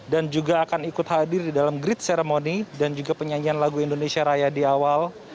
dan juga akan ikut hadir di dalam grid ceremony dan juga penyanyian lagu indonesia raya di awal